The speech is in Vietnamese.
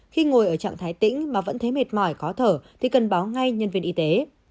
khi ngồi ở trạng thái tĩnh mà vẫn thấy mệt mỏi khó thở thì cần báo ngay nhân viên y tế